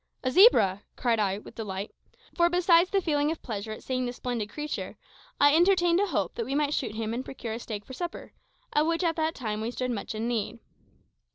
"A zebra!" cried I, with delight; for besides the feeling of pleasure at seeing this splendid creature, I entertained a hope that we might shoot him and procure a steak for supper, of which at that time we stood much in need.